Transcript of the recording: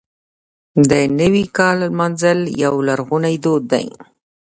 د نوي کال لمانځل یو لرغونی دود دی.